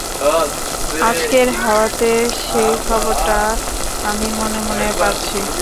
আজকের হাওয়াতে সেই খবরটা আমি মনে মনে পাচ্ছি।